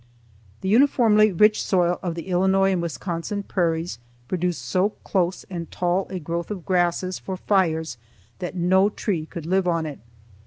The uniformly rich soil of the Illinois and Wisconsin prairies produced so close and tall a growth of grasses for fires that no tree could live on it.